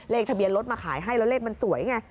ทะเบียนรถมาขายให้แล้วเลขมันสวยไง